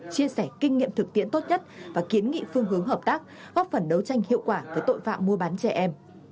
chia sẻ kinh nghiệm thực tiễn tốt nhất và kiến nghị phương hướng hợp tác góp phần đấu tranh hiệu quả với tội phạm mua bán trẻ em